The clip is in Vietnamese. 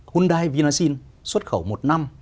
hyundai vinaxin xuất khẩu một năm